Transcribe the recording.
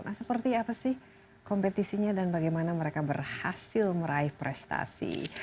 nah seperti apa sih kompetisinya dan bagaimana mereka berhasil meraih prestasi